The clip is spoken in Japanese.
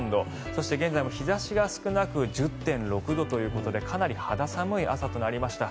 そして現在も日差しが少なく１０．６度ということでかなり肌寒い朝となりました。